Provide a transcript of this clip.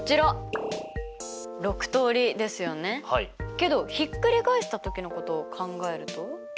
けどひっくり返した時のことを考えると？